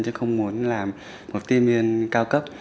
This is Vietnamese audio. chứ không muốn làm một tiếp viên cao cấp